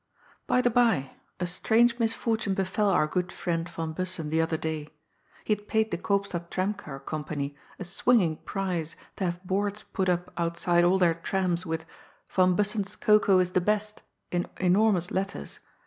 By the bye, a strange misfortune befell our good friend Van Bussen the other day. He had paid the Koopstad Tramcar company a swinging price to have boards put up outside all their trams with "Van Bussen's Cocoa is the best " in enormous letters.